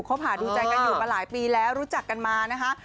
หาดูใจกันอยู่มาหลายปีแล้วรู้จักกันมานะคะ